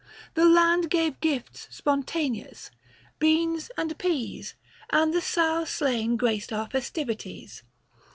The land gave gifts spontaneous : beans and peas, And the sow slain graced our festivities.